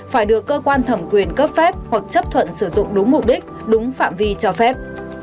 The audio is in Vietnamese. phải được cơ quan thẩm quyền cấp phép hoặc chấp thuận sử dụng đúng mục đích đúng phạm vi cho phép